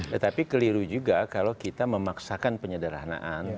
tetapi keliru juga kalau kita memaksakan penyederhanaan